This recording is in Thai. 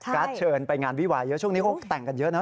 เชิญไปงานวิวาเยอะช่วงนี้เขาแต่งกันเยอะนะ